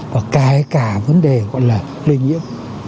và cái cả vấn đề gọi là lây nhiễm